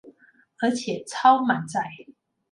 而且超满载